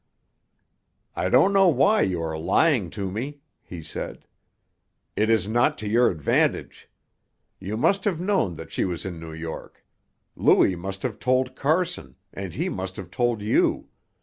"I don't know why you are lying to me," he said. "It is not to your advantage. You must have known that she was in New York; Louis must have told Carson, and he must have told you.